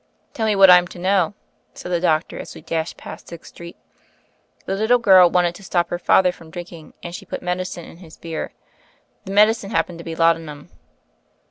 "Tell me what I'm to know," said the doctor as we dashed past Sixth Street. "The little girl wanted to stop her father from drinking and she put medicine in his beer. The medicine happened to be laudanum."